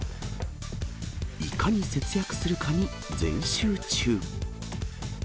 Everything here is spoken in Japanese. いかに節約するかに全集中。